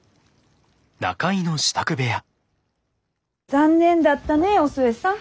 残念だったねお寿恵さん。